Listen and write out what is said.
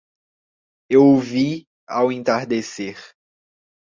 Eu o vi ao entardecer